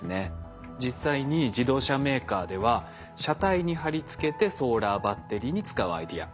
実際に自動車メーカーでは車体に貼り付けてソーラーバッテリーに使うアイデア。